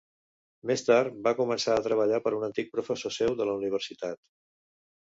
Més tard, va començar a treballar per un antic professor seu de la universitat.